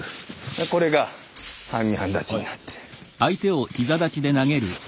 これが半身半立ちになって。